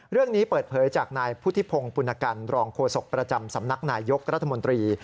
เรื่องนี้เปิดเผยจากนายพุทธิพงศ์ปุณกันรองโฆษกประจำสำนักนายยกรัฐมนตรี